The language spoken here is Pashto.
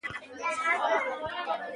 کله کله په دې فکرونو کې وم.